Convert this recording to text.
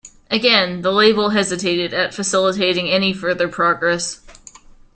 Again, the label hesitated at facilitating any further progress.